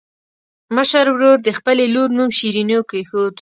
مشر ورور د خپلې لور نوم شیرینو کېښود.